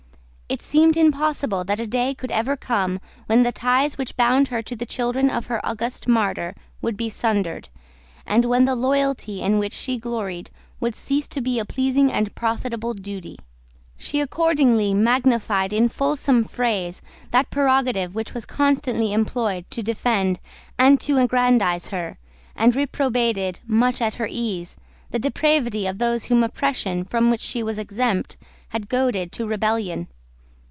It seemed impossible that a day could ever come when the ties which bound her to the children of her august martyr would be sundered, and when the loyalty in which she gloried would cease to be a pleasing and profitable duty. She accordingly magnified in fulsome phrase that prerogative which was constantly employed to defend and to aggrandise her, and reprobated, much at her ease, the depravity of those whom oppression, from which she was exempt, had goaded to rebellion.